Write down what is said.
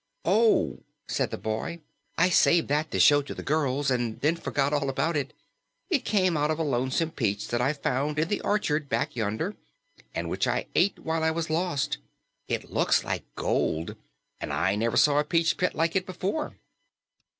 "Oh," said the boy, "I saved that to show to the girls, and then forgot all about it. It came out of a lonesome peach that I found in the orchard back yonder, and which I ate while I was lost. It looks like gold, and I never saw a peach pit like it before."